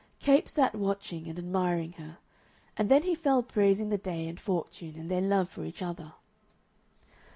Capes sat watching and admiring her, and then he fell praising the day and fortune and their love for each other.